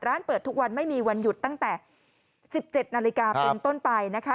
เปิดทุกวันไม่มีวันหยุดตั้งแต่๑๗นาฬิกาเป็นต้นไปนะคะ